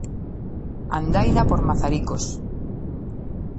Andaina por Mazaricos.